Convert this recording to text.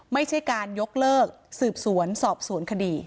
ไม่ใช่การยกเลิกสืบสวนสอบสวนคดี